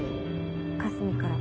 かすみから。